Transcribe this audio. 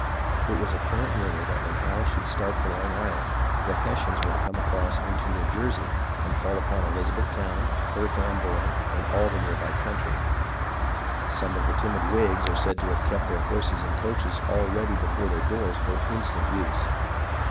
It was a current rumour that when Howe should start for Long Island, the Hessians were to cross into Nev/ Jersey and fall upon Elizabethtown, Perth Amboy, and all the near by country. Some of the timid Whigs are said to have kept their horses and coaches all ready before their doors for instant use.